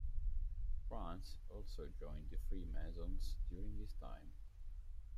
France also joined the Freemasons during this time.